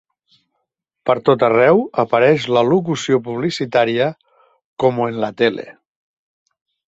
Per tot arreu apareix la locució publicitària "como en la tele".